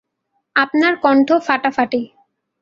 আপনার কন্ঠ ফাটাফাটি।